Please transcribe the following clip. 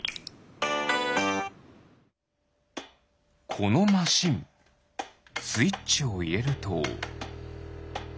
このマシンスイッチをいれると。